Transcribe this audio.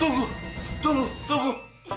tunggu tunggu tunggu